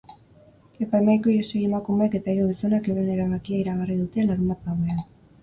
Epaimahaiko sei emakumeek eta hiru gizonak euren erabakia iragarri dute larunbat gauean.